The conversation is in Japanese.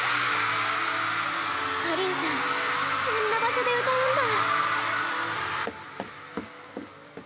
果林さんこんな場所で歌うんだ。